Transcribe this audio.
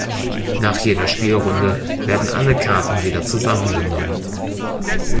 Nach jeder Spielrunde werden alle Karten wieder zusammengenommen.